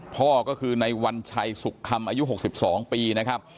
พ่อก็คือในวัญชัยสุขคำอายุ๖๒ปีนะครับ